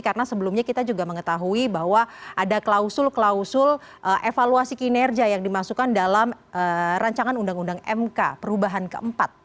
karena sebelumnya kita juga mengetahui bahwa ada klausul klausul evaluasi kinerja yang dimasukkan dalam ru mk perubahan keempat